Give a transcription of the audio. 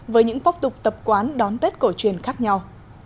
với những phong tục tập quán đón tết cổ truyền khác nhau